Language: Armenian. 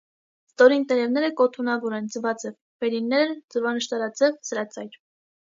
Ստորին տերևները կոթունավոր են, ձվաձև, վերինները՝ ձվանշտարաձև, սրածայր։